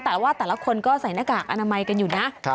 แต่ว่าแต่ละคนก็ใส่หน้ากากอนามัยกันอยู่นะ